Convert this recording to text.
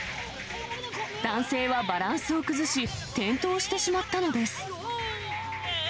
男性はバランスを崩し、転倒してしまったのです。